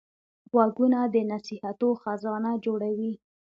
غوږونه د نصیحتو خزانه جوړوي